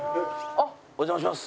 お邪魔します。